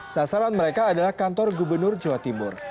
sasaran mereka adalah kantor gubernur jawa timur